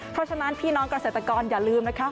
เพราะฉะนั้นพี่น้องเกษตรกรอย่าลืมนะคะ